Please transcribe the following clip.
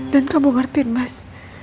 dan kamu ngerti mas